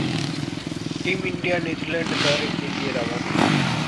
team India New Zealand दौरे के लिए रवाना